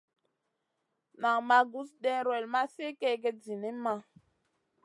Nan ma gus ɗewrel ma sli kègèd zinimma.